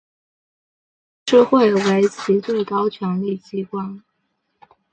理事会为其最高权力机关。